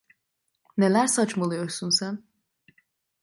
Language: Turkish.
Neler saçmalıyorsun sen?